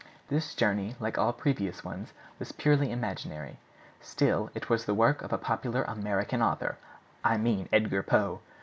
This journey, like all previous ones, was purely imaginary; still, it was the work of a popular American author—I mean Edgar Poe!"